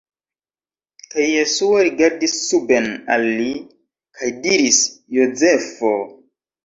Kaj Jesuo rigardis suben al li, kaj diris: "Jozefo...